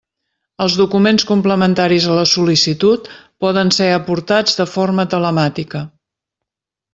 Els documents complementaris a la sol·licitud poden ser aportats de forma telemàtica.